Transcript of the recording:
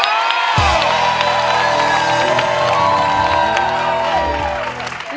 เก่งของคุณครับ